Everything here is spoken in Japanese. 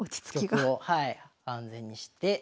玉を安全にして。